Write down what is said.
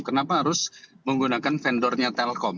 kenapa harus menggunakan vendor nya telkom